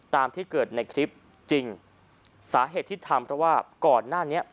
ตามที่เกิดในคลิปจริงสาเหตุที่ทำเพราะว่าก่อนหน้านี้